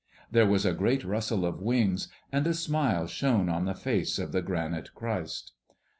There was a great rustle of wings, and a smile shone on the face of the granite Christ.